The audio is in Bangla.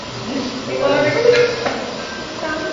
ও জানে কীভাবে কী করা লাগে।